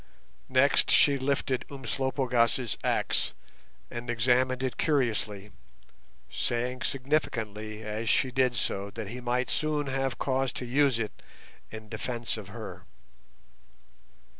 Next she lifted Umslopogaas' axe, and examined it curiously, saying significantly as she did so that he might soon have cause to use it in defence of her.